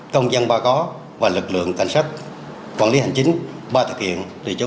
công an xã và lực lượng đoàn viên xã